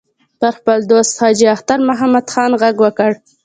پر خپل دوست حاجي اختر محمد خان غږ وکړ.